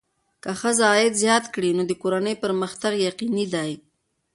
که ښځه عاید زیات کړي، نو د کورنۍ پرمختګ یقیني دی.